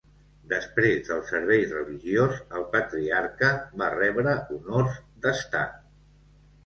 Després del servei religiós, el patriarca va rebre honors d'Estat.